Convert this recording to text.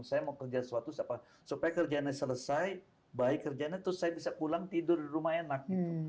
saya mau kerja sesuatu supaya kerjaannya selesai baik kerjaannya terus saya bisa pulang tidur di rumah enak gitu